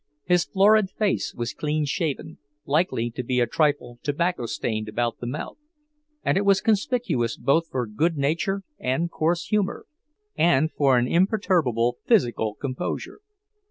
His florid face was clean shaven, likely to be a trifle tobacco stained about the mouth, and it was conspicuous both for good nature and coarse humour, and for an imperturbable physical composure.